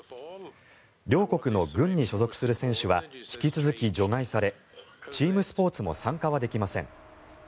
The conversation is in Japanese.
両国の軍に所属する選手は引き続き除外されチームスポーツも参加はできません。